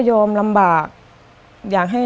มันต้องการแล้วแล้วก็หายให้มัน